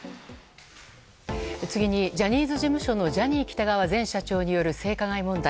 次に、ジャニーズ事務所のジャニー喜多川前社長による性加害問題。